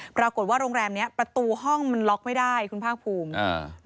ปรากฏว่าโรงแรมนี้ประตูห้องมันล็อกไม่ได้คุณภาคภูมิ